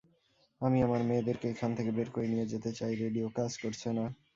আমি আমার মেয়েদেরকে এখান থেকে বের করে নিয়ে যেতে চাই রেডিও কাজ করছে না।